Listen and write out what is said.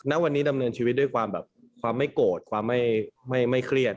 ณวันนี้ดำเนินชีวิตด้วยความแบบความไม่โกรธความไม่เครียด